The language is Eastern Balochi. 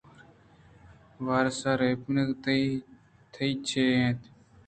وارِس ءُ رٙپِیک تئی چے اَنت؟